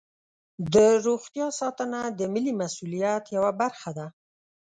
د روغتیا ساتنه د ملي مسؤلیت یوه برخه ده.